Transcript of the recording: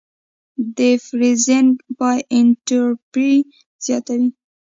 د فریزینګ پای انټروپي زیاتوي.